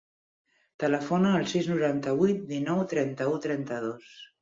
Telefona al sis, noranta-vuit, dinou, trenta-u, trenta-dos.